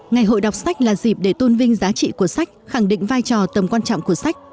ngày hội đọc sách là dịp để tôn vinh giá trị của sách khẳng định vai trò tầm quan trọng của sách